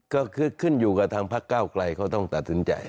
ก็คือขึ้นอยู่กับทางพักเก้าไกลเขาต้องตัดสินใจ